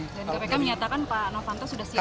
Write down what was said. dan kpk menyatakan pak novanto sudah siap